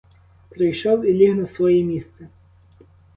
Прийшов і ліг на своє місце.